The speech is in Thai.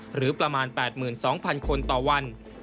หรือประมาณ๘๒๐๐๐คนต่อวัน